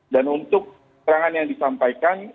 dan untuk keterangan yang disampaikan